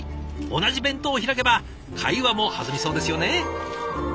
同じ弁当を開けば会話も弾みそうですよね。